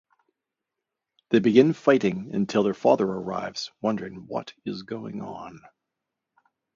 They begin fighting until their father arrives wondering what is going on.